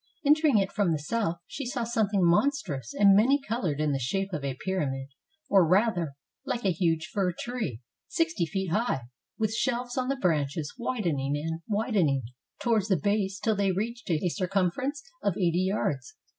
Entering it from the south, she saw something monstrous and many colored in the shape of a pyramid, or, rather, like a huge fir tree, sixty feet high, with shelves on the branches, widening and 56 THE BURNING OF THE VANITIES widening towards the base till they reached a circum ference of eighty yards.